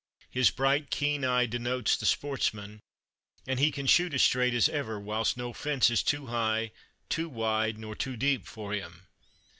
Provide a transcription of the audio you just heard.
His bright keen eye denotes the sportsman, and he can shoot as straight as ever, whilst no fence is too high, too wide, nor too deep for him.